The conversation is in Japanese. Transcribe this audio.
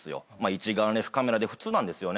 一眼レフカメラで普通なんですよね。